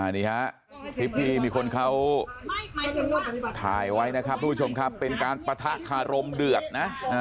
นี่ฮะคลิปที่มีคนเขาถ่ายไว้นะครับทุกผู้ชมครับเป็นการปะทะคารมเดือดนะ